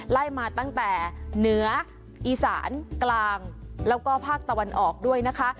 ไล่มาตั้งแต่เหนืออีสานกลางแล้วก็ภาคตะวันออกด้วยนะคะ